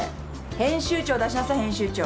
編集長出しなさい編集長。